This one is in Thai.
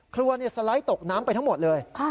ครัวสลายตกน้ำไปทั้งหมดเลย